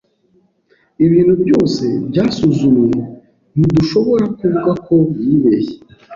Ibintu byose byasuzumwe, ntidushobora kuvuga ko yibeshye.